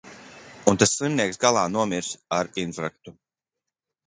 Un tas slimnieks galā nomirs ar infarktu.